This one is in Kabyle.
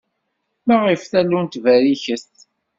Maɣef tallunt berriket?